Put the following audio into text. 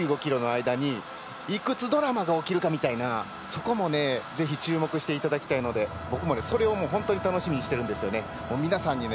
ｋｍの間にいくつドラマが起きるかというそこもぜひ注目していただきたいので僕もそれを本当に楽しみにしているんですね。